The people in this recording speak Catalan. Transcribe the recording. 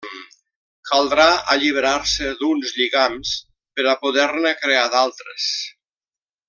Caldrà alliberar-se d'uns lligams per a poder-ne crear d'altres.